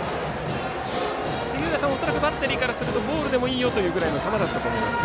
杉浦さん、恐らくバッテリーからするとボールでもいいぐらいの球だったと思いますが。